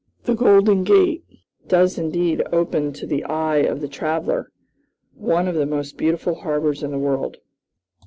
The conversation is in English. The Golden Gate does indeed open to the eye of the traveler one of the most beautiful harbors in the world.